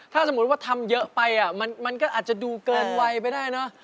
ถ้าสมมุติว่าทำเยอะไปมันก็อาจจะดูเกินวัยไปได้เนอะ